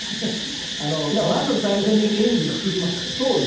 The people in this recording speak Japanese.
まず最初にエンジンを切ります。